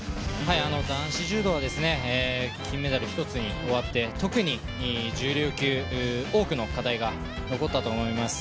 男子柔道は金メダル１つに終わって、特に重量級多くの課題が残ったと思います。